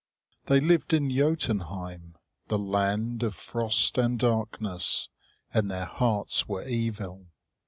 They lived in Jotunheim, the land of frost and darkness, and their hearts were evil.